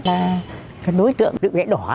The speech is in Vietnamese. là đối tượng tự vệ đỏ